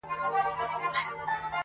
دا راته مه وايه چي تا نه منم دى نه منم,